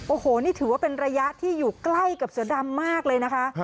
โอ้โหนี่ถือว่าเป็นระยะที่อยู่ใกล้กับเสือดำมากเลยนะคะ